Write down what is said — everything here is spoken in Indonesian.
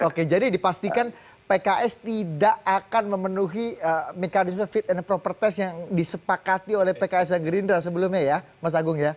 oke jadi dipastikan pks tidak akan memenuhi mekanisme fit and proper test yang disepakati oleh pks dan gerindra sebelumnya ya mas agung ya